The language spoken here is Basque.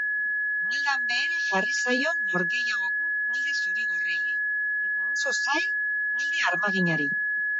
Maldan behera jarri zaio norgehiagoka talde zuri-gorriari, eta oso zail talde armaginari.